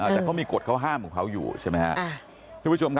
แต่เขามีกฎเขาห้ามของเขาอยู่ใช่ไหมครับ